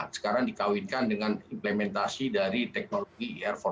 sekarang dikawinkan dengan implementasi dari teknologi ir empat